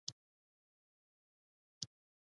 له پاسه ټاټ پرې هوار و، مخې ته په تېرېدو شول.